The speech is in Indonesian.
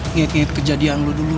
ngikut ngikut kejadian lu dulu